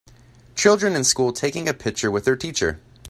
Children in school taking a picture with their teacher.